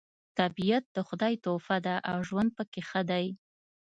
طبیعت د خدای تحفه ده او ژوند پکې ښه دی